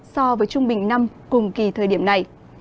so với trung bình năm cùng kỳ thời điểm này